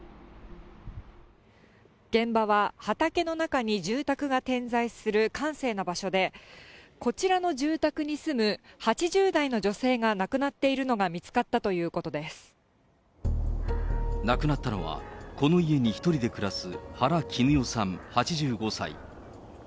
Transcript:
現場は畑の中に住宅が点在する閑静な場所で、こちらの住宅に住む８０代の女性が亡くなっているのが見つかった亡くなったのは、この家に１人で暮らす原貴努代さん８５歳。